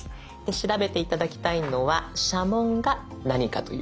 調べて頂きたいのは社紋が何かということ。